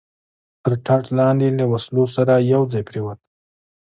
تر ټاټ لاندې له وسلو سره یو ځای پرېوتم.